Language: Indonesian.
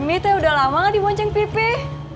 mimi tuh udah lama gak dibonceng pipih